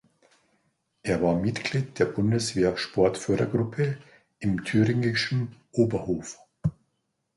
Er war Mitglied der Bundeswehr-Sportfördergruppe im thüringischen Oberhof.